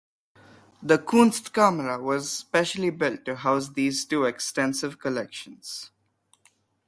The Kunstkamera was specially built to house these two extensive collections.